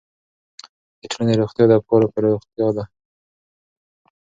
د ټولنې روغتیا د افکارو په روغتیا ده.